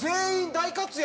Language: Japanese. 大活躍？